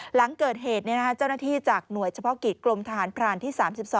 หลังเกิดเหตุเจ้าหน้าที่จากหน่วยเฉพาะกิจกรมทหารพรานที่๓๒